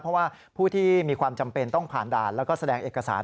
เพราะว่าผู้ที่มีความจำเป็นต้องผ่านด่านแล้วก็แสดงเอกสาร